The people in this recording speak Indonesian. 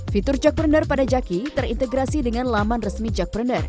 fitur cekpreneur pada jaki terintegrasi dengan laman resmi cekpreneur